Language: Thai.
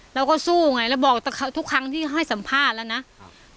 เราก็สู้ไงแล้วบอกทุกครั้งที่ให้สัมภาษณ์แล้วนะครับ